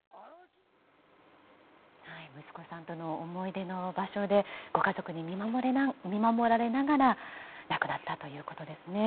息子さんとの思い出の場所で、ご家族に見守られながら亡くなったということですね。